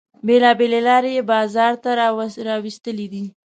بیلابیلې لارې یې بازار ته را ویستلې دي.